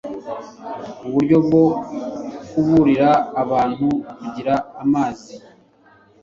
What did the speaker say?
uburyo bwo kuburira abantu kugira amazi